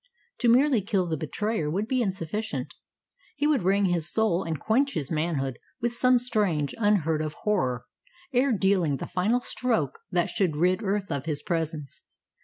To merely kill the betrayer would be insufficient. He would wring his soul and quench his manhood with some strange unheard of horror, ere dealing the final stroke that should rid earth of his presence.